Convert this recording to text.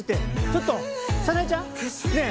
ちょっと沙苗ちゃん？ねえ。